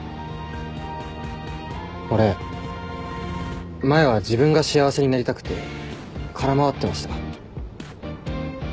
俺前は自分が幸せになりたくて空回ってました。